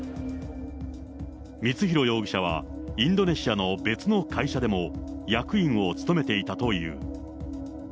光弘容疑者は、インドネシアの別の会社でも、役員を務めていたという。